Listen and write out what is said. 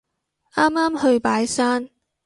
啱啱去拜山